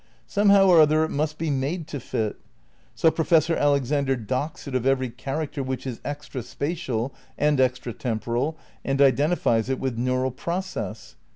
Somehow or other it must be made to fit. So Professor Alexander docks it of every character which is extra spatial and extra temporal and identi fies it with neural process.